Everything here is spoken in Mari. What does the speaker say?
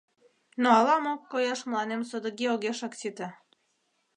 Но ала-мо, коеш, мыланем содыки огешак сите.